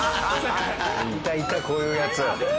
いたいたこういうヤツ。